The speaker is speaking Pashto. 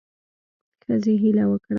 ښځې هیله وکړه